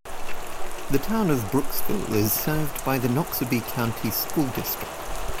The town of Brooksville is served by the Noxubee County School District.